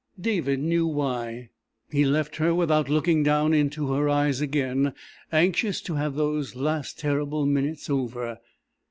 David knew why. He left her without looking down into her eyes again, anxious to have these last terrible minutes over.